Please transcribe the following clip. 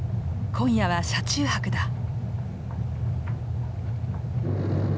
今夜は車中泊だ。